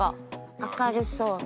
明るそうな。